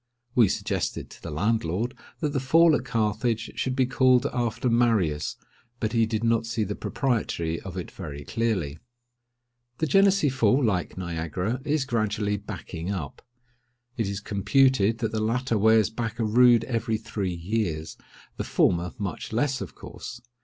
We suggested to the landlord that the fall at Carthage should be called after Marius, but he did not see the propriety of it very clearly. The Genessee Fall, like Niagara, is gradually backing up. It is computed that the latter wears back a rood every three years—the former much less, of course.